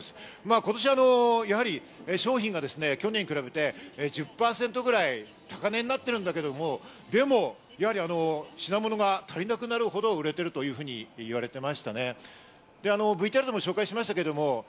今年はやはり商品が去年に比べて１０％ぐらい高値になっているんだけど、でも品物が足りなくなるほど売れてるというふうに言われてました。